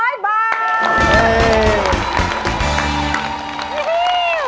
เย่